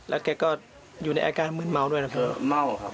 แล้วแกก็อยู่ในบ้านต่อเดียวกับเค้า